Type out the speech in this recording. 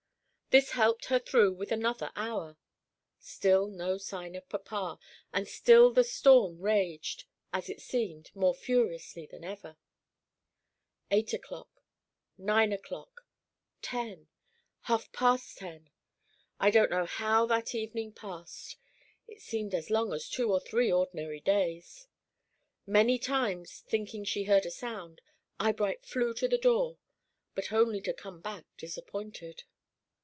This helped her through with another hour. Still no sign of papa, and still the storm raged, as it seemed, more furiously than ever. Eight o'clock, nine o'clock, ten, half past ten. I don't know how that evening passed. It seemed as long as two or three ordinary days. Many times, thinking she heard a sound, Eyebright flew to the door, but only to come back disappointed.